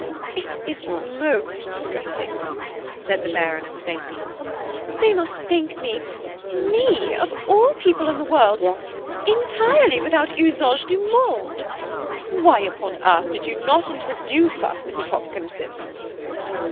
"It is most distressing," said the Baroness faintly. "They must think me–me of all people in the world–entirely without usage du monde. Why upon earth did you not introduce us, Mrs. Hopkinson?"